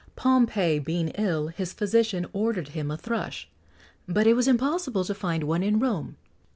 Pompey being ill, his physician ordered him a thrush, but it was impossible to find one in Rome.